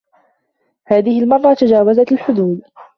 هذه المرة تجاوزت الحدود.